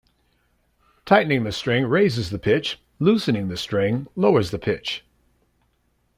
Tightening the string raises the pitch; loosening the string lowers the pitch.